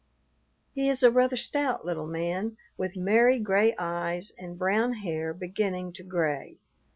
He is a rather stout little man, with merry gray eyes and brown hair beginning to gray.